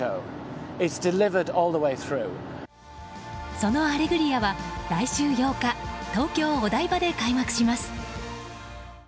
その「アレグリア」は来週８日東京・お台場で開幕します。